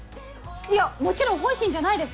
いやもちろん本心じゃないです。